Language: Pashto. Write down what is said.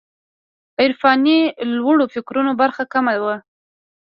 عرفاني لوړو فکرونو برخه کمه وه.